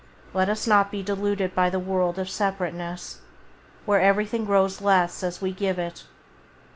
Let us not be deluded by the world of separateness, where everything grows less as we give it.